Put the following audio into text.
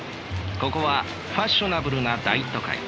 ここはファッショナブルな大都会。